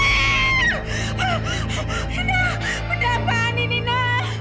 ina benda apaan ini ina